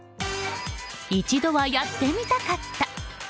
一度はやってみたかった。